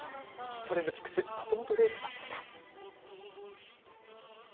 ＴｒｅｎｄＰｉｃｋｓ、松本零士さんでした。